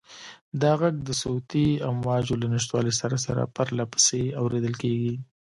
دا غږ د صوتي امواجو له نشتوالي سره سره پرله پسې اورېدل کېږي.